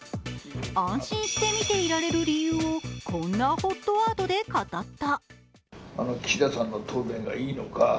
安心して見ていられる理由をこんなＨＯＴワードで語った。